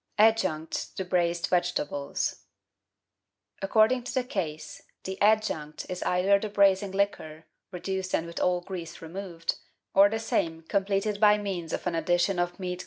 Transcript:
Adjuncts to Braised Vegetables According to the case, the adjunct is either the braising liquor, reduced and with all grease removed, or the same com pleted by means of an addition of meat glaze.